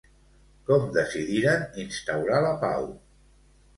Com decidiren instaurar la pau?